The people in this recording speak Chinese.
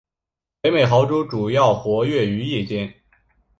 北美豪猪主要活跃于夜间。